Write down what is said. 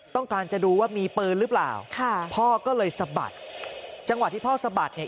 ต้องการจะดูว่ามีปืนหรือเปล่าค่ะพ่อก็เลยสะบัดจังหวะที่พ่อสะบัดเนี่ย